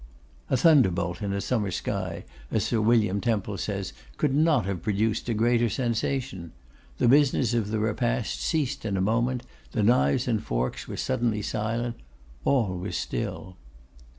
A thunderbolt in a summer sky, as Sir William Temple says, could not have produced a greater sensation. The business of the repast ceased in a moment. The knives and forks were suddenly silent. All was still.